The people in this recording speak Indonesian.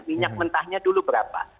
minyak mentahnya dulu berapa